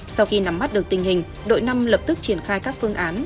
sau khi nắm mắt được tình hình đội năm lập tức triển khai các phương án